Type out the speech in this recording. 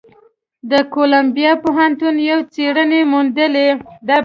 د کولمبیا پوهنتون یوې څېړنې موندلې،